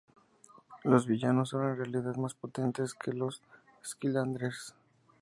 Los villanos son en realidad más potentes que los Skylanders.